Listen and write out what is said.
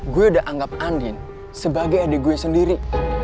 gue udah anggap andin sebagai adik gue sendiri